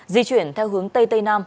di chuyển theo hướng tây tây nam